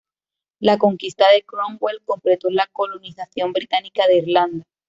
La conquista de Cromwell completó la colonización británica de Irlanda.